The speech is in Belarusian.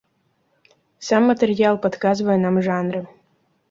Сам матэрыял падказвае нам жанры.